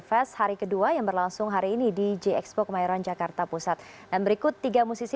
fast hari kedua yang berlangsung hari ini di jx pojawts jakarta pusat dan berikut tiga muzik